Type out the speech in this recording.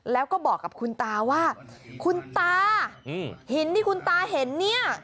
แล้วก็บอกกับคุณตาว่าคุณตาหินที่คุณตาเห็นเนี่ย